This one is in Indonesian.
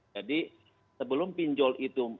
jadi sebelum pinjol itu